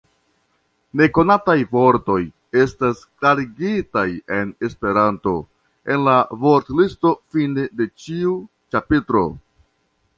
Nekonataj vortoj estas klarigitaj en Esperanto en la vortlisto fine de ĉiu ĉapitro.